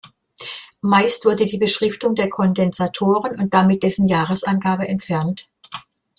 Meist wurde die Beschriftung der Kondensatoren und damit dessen Jahresangabe entfernt.